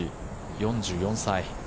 ４４歳。